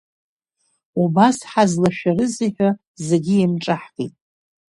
Убас ҳазлашәарызи ҳәа зегьы еимҿаҳкит.